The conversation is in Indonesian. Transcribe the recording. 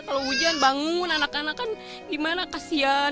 kalau hujan bangun anak anak kan gimana kasian